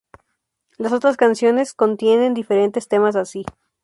Las otras canciones contienen diferentes temas así.